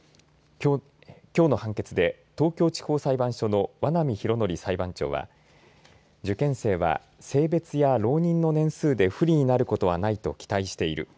きょうの判決で東京地方裁判所の和波宏典裁判長は受験生は性別や浪人の年数で不利になることはないと期待している。